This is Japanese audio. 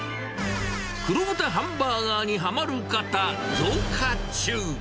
黒豚ハンバーガーにはまる方、増加中。